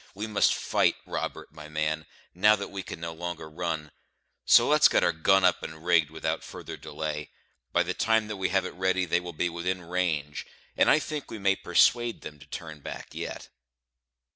We must fight, Robert, my man, now that we can no longer run; so let's get our gun up and rigged without further delay. By the time that we have it ready, they will be within range; and I think we may persuade them to turn back yet."